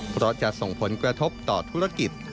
เพราะจะส่งผลกระทบต่อธุรกิจ